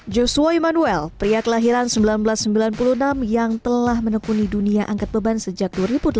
joshua immanuel pria kelahiran seribu sembilan ratus sembilan puluh enam yang telah menekuni dunia angkat beban sejak dua ribu delapan belas